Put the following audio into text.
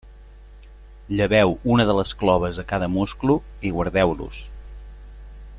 Lleveu una de les cloves a cada musclo i guardeu-los.